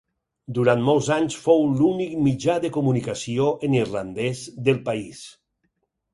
Durant molts anys fou l'únic mitjà de comunicació en irlandès del país.